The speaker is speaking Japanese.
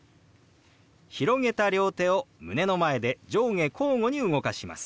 広げた両手を胸の前で上下交互に動かします。